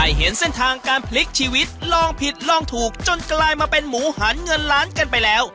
เห็นเส้นทางการพลิกชีวิตลองผิดลองถูกจนกลายมาเป็นหมูหันเงินล้านกันไปแล้ว